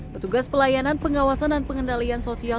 petugas pelayanan pengawasan dan pengendalian sosial